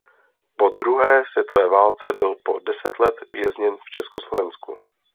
Po druhé světové válce byl po deset let vězněn v Československu.